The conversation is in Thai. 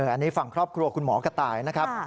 อันนี้ฝั่งครอบครัวคุณหมอกระต่ายนะครับ